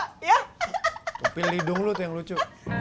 tupil hidung lu tuh yang lucu